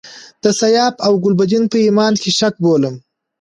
د سیاف او ګلبدین په ایمان کې شک بولم.